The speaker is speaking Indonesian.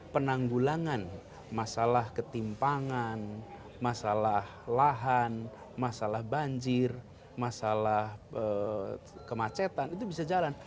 penanggulangan masalah ketimpangan masalah lahan masalah banjir masalah kemacetan itu bisa jalan